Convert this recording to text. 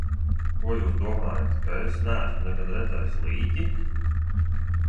Ko jūs domājat, ka es neesmu nekad redzējis līķi?